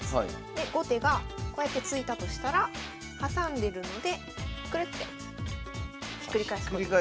で後手がこうやって突いたとしたら挟んでるのでクルッてひっくり返すことが。